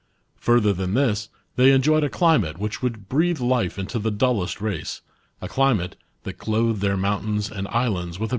Further than this, they enjoyed a climate which would breathe life into the dullest race ; a climate, that clothed their mountains and islands with a